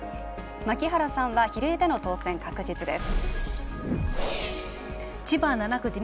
牧原さんは比例での当選確実です。